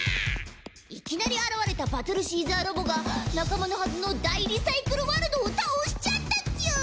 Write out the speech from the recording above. いきなり現れたバトルシーザーロボが仲間のはずのダイリサイクルワルドを倒しちゃったチュン！